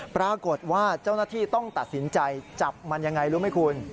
ปรากฏว่าเจ้าหน้าที่ต้องตัดสินใจจับมันยังไงรู้ไหมคุณ